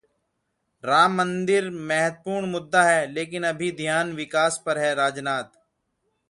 राम मंदिर महत्वपूर्ण मुद्दा है, लेकिन अभी ध्यान विकास पर है: राजनाथ